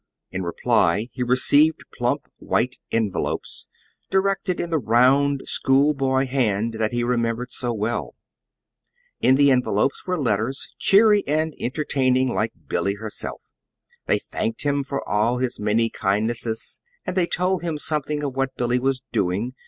In reply he received plump white envelopes directed in the round, schoolboy hand that he remembered so well. In the envelopes were letters, cheery and entertaining, like Billy herself. They thanked him for all his many kindnesses, and they told him something of what Billy was doing.